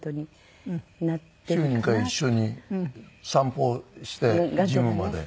週２回一緒に散歩してジムまで。